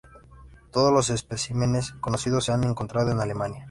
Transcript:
Todos los especímenes conocidos se han encontrado en Alemania.